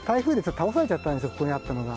ここにあったのが。